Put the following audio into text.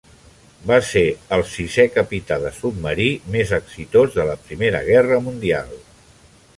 Va ser el sisè capità de submarí més exitós de la primera guerra mundial.